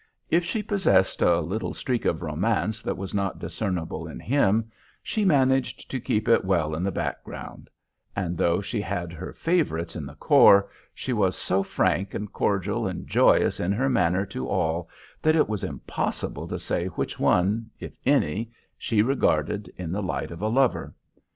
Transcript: If she possessed a little streak of romance that was not discernible in him, she managed to keep it well in the background; and though she had her favorites in the corps, she was so frank and cordial and joyous in her manner to all that it was impossible to say which one, if any, she regarded in the light of a lover.